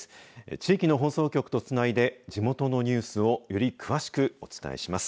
地域の放送局とつないで地元のニュースをより詳しくお伝えします。